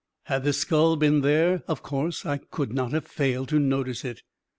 Had the skull been then there, of course I could not have failed to notice it.